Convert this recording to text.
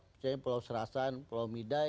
misalnya pulau serasan pulau midai